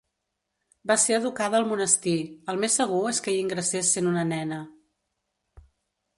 Va ser educada al monestir; el més segur és que hi ingressés sent una nena.